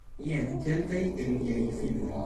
Jen kelkaj el liaj filmoj.